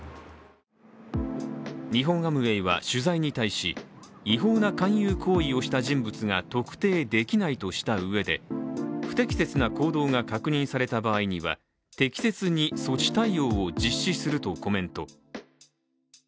日本アムウェイは取材に対し違法な勧誘行為をした人物が特定できないとしたうえで、不適切な行動が確認された場合には適切に措置対応を実施するとコメント。